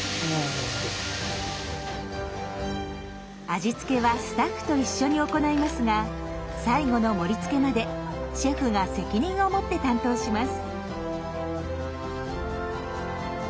味付けはスタッフと一緒に行いますが最後の盛りつけまでシェフが責任を持って担当します。